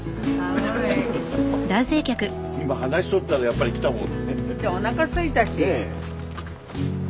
今話しとったでやっぱり来たもん。